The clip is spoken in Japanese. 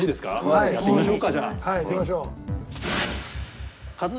はいやりましょう。